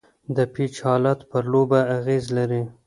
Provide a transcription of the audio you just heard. د پيچ حالت پر لوبه اغېز لري.